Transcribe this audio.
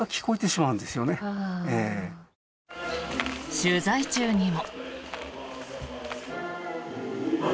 取材中にも。